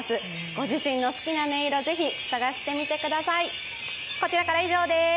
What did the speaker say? ご自身の好きな音色、ぜひ探してみてください。